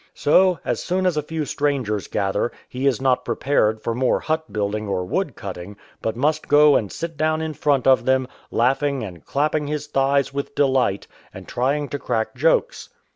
So, as soon as a few strangers gather, he is not pre pared for more hut building or wood cutting, but must go and sit down in front of them, laughing and clapping his thighs with delight, and trying to crack jokes.